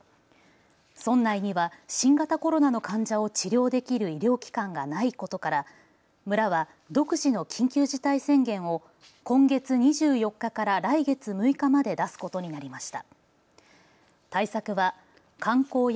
村内には新型コロナの患者を治療できる医療機関がないことから村は独自の緊急事態宣言を今月２４日から来月６日まで出すことになりました。